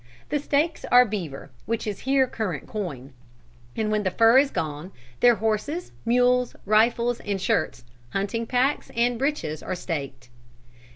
The stakes are beaver, which is here current coin; and when the fur is gone, their horses, mules, rifles and shirts, hunting packs and breeches are staked.